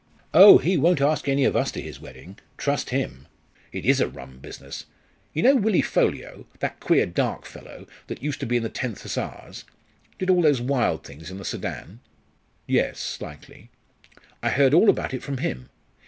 Oh! he won't ask any of us to his wedding trust him. It is a rum business. You know Willie Ffolliot that queer dark fellow that used to be in the 10th Hussars did all those wild things in the Soudan?" "Yes slightly." "I heard all about it from him.